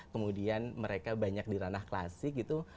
kemudian mereka banyak di ranah klasik gitu